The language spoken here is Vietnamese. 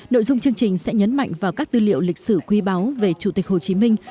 nội dung chương trình sẽ nhấn mạnh vào các tư liệu lịch sử quý báo về chủ tịch hồ chí minh